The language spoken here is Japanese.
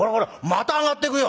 「また上がっていくよ」。